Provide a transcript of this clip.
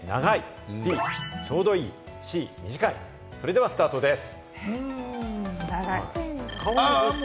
それではスタートです！